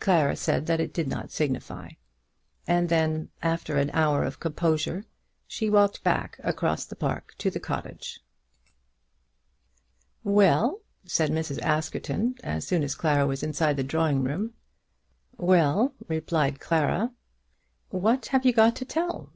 Clara said that it did not signify; and then, after an hour of composure, she walked back across the park to the cottage. "Well?" said Mrs. Askerton as soon as Clara was inside the drawing room. "Well," replied Clara. "What have you got to tell?